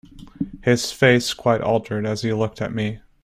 His face quite altered as he looked at me.